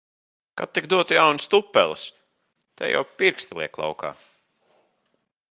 Ka tik dotu jaunas tupeles! Te jau pirksti liek laukā.